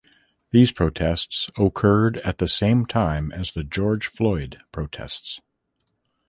These protests occurred at the same time as the George Floyd protests.